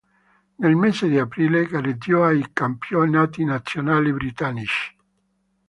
Nel mese di aprile gareggiò ai Campionati Nazionali Britannici.